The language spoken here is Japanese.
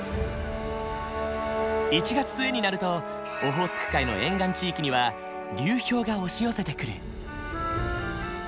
１月末になるとオホーツク海の沿岸地域には流氷が押し寄せてくる。